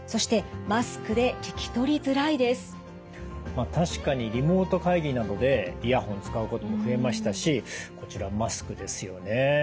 まあ確かにリモート会議などでイヤホン使うことも増えましたしこちらマスクですよね。